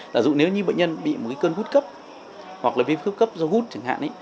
giả dụ nếu như bệnh nhân bị một cơn gút cấp hoặc là viêm cấp cấp do gút chẳng hạn